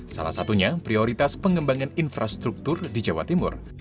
salah satunya prioritas pengembangan infrastruktur di jawa timur